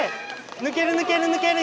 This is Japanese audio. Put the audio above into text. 抜ける抜ける抜ける！